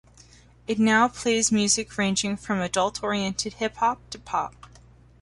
It now plays music ranging from Adult-oriented Hip-Hop to Pop.